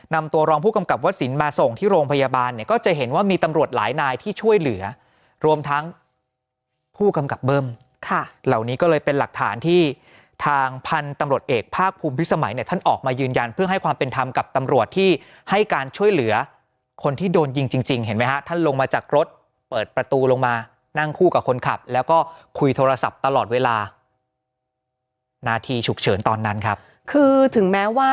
นำตัวรองผู้กำกับวัดศิลป์มาส่งที่โรงพยาบาลเนี่ยก็จะเห็นว่ามีตำรวจหลายนายที่ช่วยเหลือรวมทั้งผู้กำกับเบิ้มค่ะเหล่านี้ก็เลยเป็นหลักฐานที่ทางพันธุ์ตำรวจเอกภาคภูมิพิสมัยเนี่ยท่านออกมายืนยันเพื่อให้ความเป็นทำกับตำรวจที่ให้การช่วยเหลือคนที่โดนยิงจริงจริงเห็น